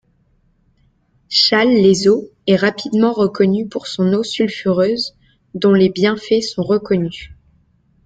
Challes-les-eaux est rapidement reconnu pour son eau sulfureuse dont les bienfaits sont reconnus.